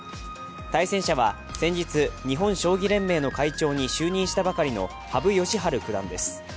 対戦者は先日、日本将棋連盟の会長に就任したばかりの羽生善治九段です。